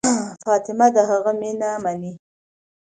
فاطمه د هغه مینه مني.